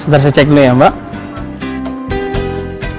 ntar saya cek dulu ya mbak